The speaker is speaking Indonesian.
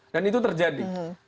dan itu terjadi